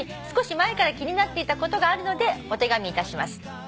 少し前から気になっていたことがあるのでお手紙いたします」